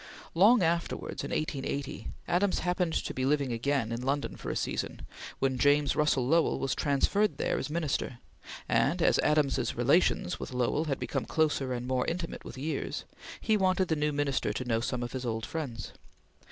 Long afterwards, in 1880, Adams happened to be living again in London for a season, when James Russell Lowell was transferred there as Minister; and as Adams's relations with Lowell had become closer and more intimate with years, he wanted the new Minister to know some of his old friends.